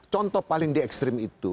contoh paling di ekstrim itu